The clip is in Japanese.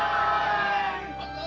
万歳。